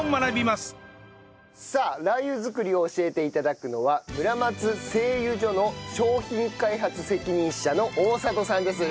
さあラー油作りを教えて頂くのは村松製油所の商品開発責任者の大里さんです。